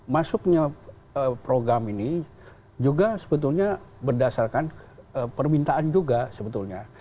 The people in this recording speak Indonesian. masuknya program ini juga sebetulnya berdasarkan permintaan juga sebetulnya